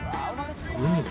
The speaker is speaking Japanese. うん！